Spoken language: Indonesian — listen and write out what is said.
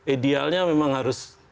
idealnya memang harus